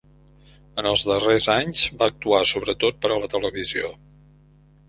En els darrers anys va actuar sobretot per a la televisió.